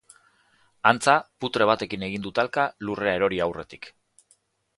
Antza, putre batekin egin du talka, lurrera erori aurretik.